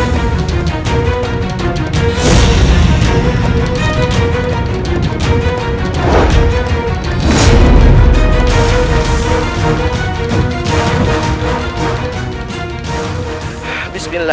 kau mau kemana